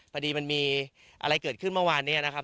พอดีมันมีอะไรเกิดขึ้นเมื่อวานนี้นะครับ